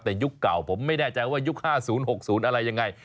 แต่ยุคเก่าผมไม่แน่ใจว่ายุค๕๐๖๐อะไรยังไง